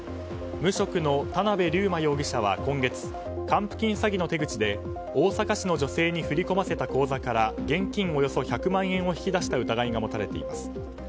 無職の田辺龍茉容疑者は今月還付金詐欺の手口で大阪市の女性に振り込ませた口座から現金およそ１００万円を引き出した疑いが持たれています。